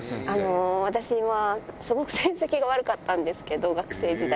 私はすごく成績が悪かったんですけど、学生時代。